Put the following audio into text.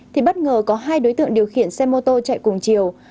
thì bất ngờ có hai đối tượng điều khiển xe mô tô chạy cùng chiều